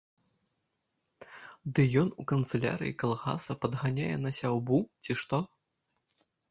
Ды ён у канцылярыі калгаса, падганяе на сяўбу, ці што.